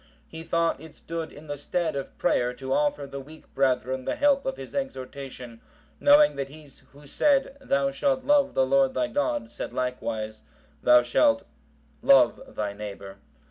He thought it stood in the stead of prayer to afford the weak brethren the help of his exhortation, knowing that he who said "Thou shalt love the Lord thy God," said likewise, "Thou shalt love thy neighbour."